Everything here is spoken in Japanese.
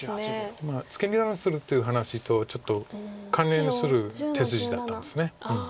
ツケ二段するっていう話とちょっと関連する手筋だったんです。